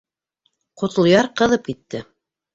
Ҡотлояр ҡыҙып китте: